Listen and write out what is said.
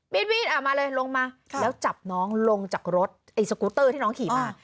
มีดออกมาเลยลงมาแล้วจับน้องลงจากรถไอ้สกูเตอร์ที่น้องขี่มา